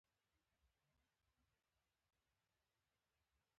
منډه د وخت سپما ده